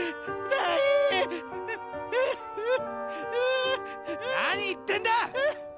何言ってんだ！